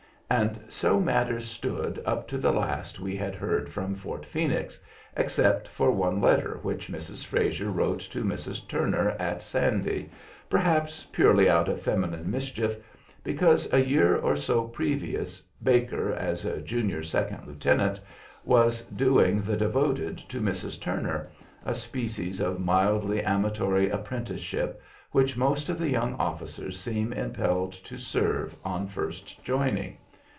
And so matters stood up to the last we had heard from Fort Phoenix, except for one letter which Mrs. Frazer wrote to Mrs. Turner at Sandy, perhaps purely out of feminine mischief, because a year or so previous Baker, as a junior second lieutenant, was doing the devoted to Mrs. Turner, a species of mildly amatory apprenticeship which most of the young officers seemed impelled to serve on first joining.